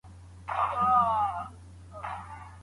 د نویو درملو ازموینه څنګه کیږي؟